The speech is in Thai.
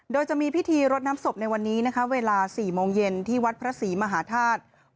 โดยจะมีพิธีรดน้ำศพในวันนี้นะคะเวลา๔โมงเย็นที่วัดพระศรีมหาธาตุ